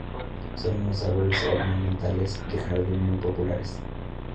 Son unos árboles ornamentales de jardín muy populares.